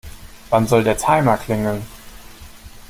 Wann soll der Timer klingeln?